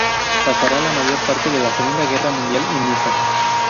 Pasará la mayor parte de la Segunda Guerra Mundial en Niza.